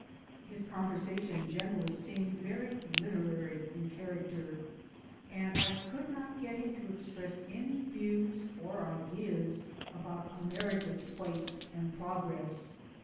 His conversation generally seemed very literary in character and I could not get him to express any views or ideas 88 MY DAYS AND DREAMS about America's place and progress.